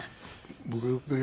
僕